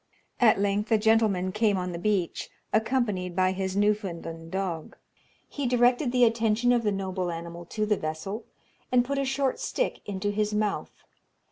At length a gentleman came on the beach, accompanied by his Newfoundland dog. He directed the attention of the noble animal to the vessel, and put a short stick into his mouth.